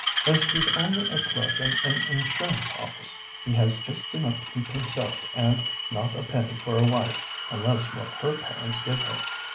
As he's only a clerk in an insurance office, he has just enough to keep himself and not a penny for a wife, unless what her parents give her."